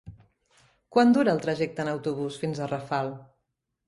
Quant dura el trajecte en autobús fins a Rafal?